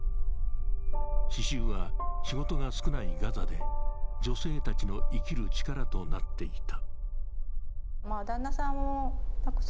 刺しゅうは仕事が少ないガザで女性たちの生きる力となっていた。